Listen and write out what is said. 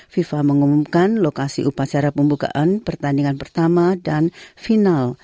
fifa mengumumkan lokasi upacara pembukaan pertandingan pertama dan final